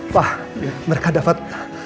pak mereka dapat